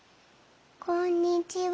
こんにちは。